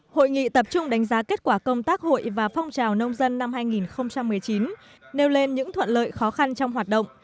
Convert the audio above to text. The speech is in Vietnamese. hội nghị tập trung đánh giá kết quả công tác hội và phong trào nông dân năm hai nghìn một mươi chín nêu lên những thuận lợi khó khăn trong hoạt động